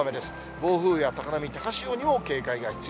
暴風や高波、高潮にも警戒が必要。